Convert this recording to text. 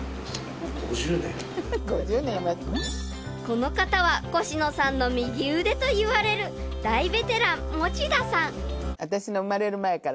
［この方はコシノさんの右腕といわれる大ベテラン持田さん］